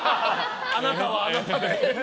あなたはあなたで。